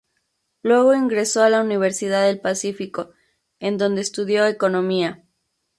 Luego ingresó a la Universidad del Pacífico, en donde estudió Economía.